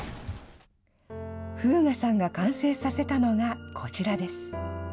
風雅さんが完成させたのがこちらです。